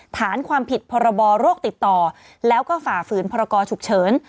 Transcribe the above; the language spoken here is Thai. ฐานความผิดพรบโรคติดต่อแล้วก็ฝ่าฝืนพรกรฉุกเฉิน